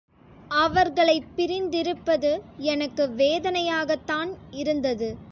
அவர்களைப் பிரிந்திருப்பது எனக்கு வேதனையாகத்தான் இருந்தது.